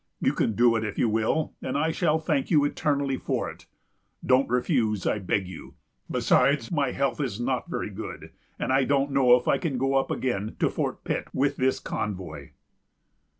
You can do it if you will, and I shall thank you eternally for it. Don't refuse, I beg you. Besides, my health is not very good; and I don't know if I can go up again to Fort Pitt with this convoy."